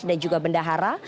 ada juga bendahara